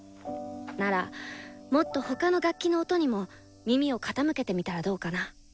ならもっと他の楽器の音にも耳を傾けてみたらどうかな？